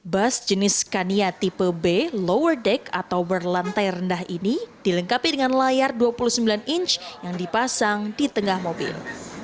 bus jenis kania tipe b lower deck atau berlantai rendah ini dilengkapi dengan layar dua puluh sembilan inch yang dipasang di tengah mobil